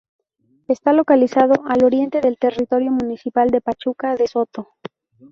Está localizado al oriente del territorio municipal de Pachuca de Soto.